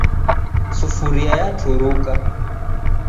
Sufuria yaturuka.